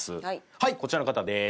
はいこちらの方です。